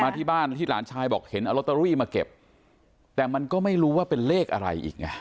ที่บ้านที่หลานชายบอกเห็นเอาลอตเตอรี่มาเก็บแต่มันก็ไม่รู้ว่าเป็นเลขอะไรอีกไง